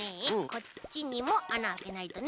こっちにもあなあけないとね。